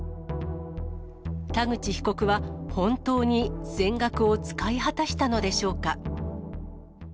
田口被告は、本当に全額を使い果たしたのでしょうか。